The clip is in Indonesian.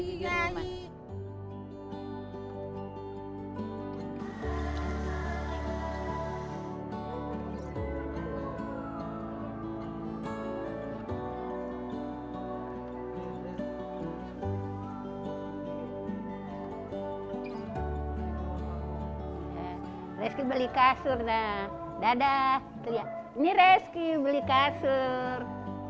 reski beli kasur nah dadah ini reski beli kasur